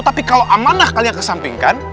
tapi kalau amanah kalian kesampingkan